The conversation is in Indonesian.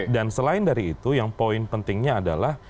dan selain dari itu yang poin pentingnya adalah